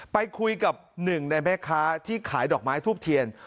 ไปคุยกับหนึ่งในแม่ค้าที่ขายดอกไม้ทูบเทียน